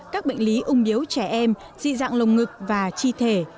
các bệnh lý ung điếu trẻ em dị dạng lồng ngực và chi thể